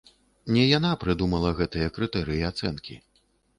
Не яна прыдумала гэтыя крытэрыі ацэнкі.